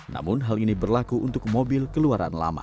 namun hal ini berlaku untuk mobil keluaran lama